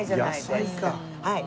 はい。